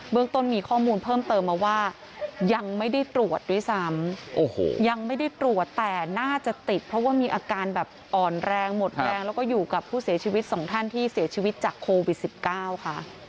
เรื่องต้นมีข้อมูลเพิ่มเติมมาว่ายังไม่ได้ตรวจด้วยซ้ำยังไม่ได้ตรวจแต่น่าจะติดเพราะว่ามีอาการแบบอ่อนแรงหมดแรงแล้วก็อยู่กับผู้เสียชีวิตสองท่านที่เสียชีวิตจากโควิด๑๙ค่ะ